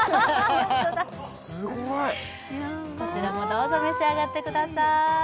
すごいこちらもどうぞ召し上がってください